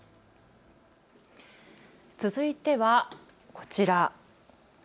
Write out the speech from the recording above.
続いてはこちら。